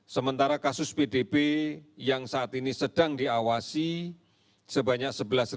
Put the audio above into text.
sementara kasus pdb yang saat ini sedang diawasi sebanyak sebelas